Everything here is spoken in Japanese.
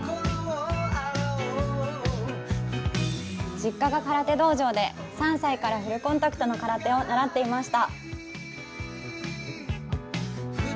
実家が空手道場で、３歳からフルコンタクトの空手を習っていました。